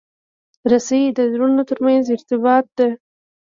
رسۍ د زړونو ترمنځ ارتباط ده.